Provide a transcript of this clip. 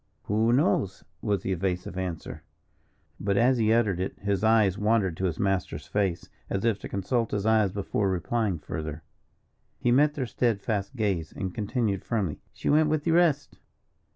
"Who knows?" was the evasive answer; but as he uttered it his eyes wandered to his master's face, as if to consult his eyes before replying further. He met their steadfast gaze, and continued, firmly: "She went with the rest."